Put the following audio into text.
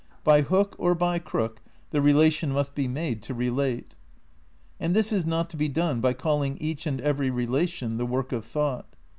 By hook or by crook the relation must be made to relate. And this is not to be done by calling each and every relation the work of thought.